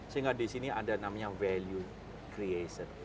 sehingga di sini ada namanya value creation